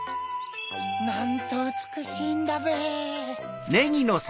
なんとうつくしいんだべ！